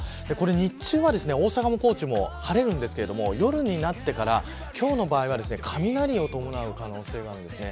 日中は大阪も高知も晴れるんですが夜になってから今日の場合は雷を伴う可能性があるんですね。